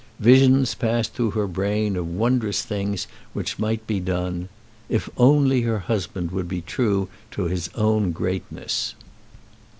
Visions passed through her brain of wondrous things which might be done, if only her husband would be true to his own greatness.